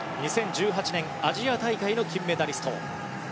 ２０１８年、アジア大会の金メダリスト。